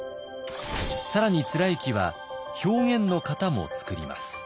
更に貫之は表現の型も創ります。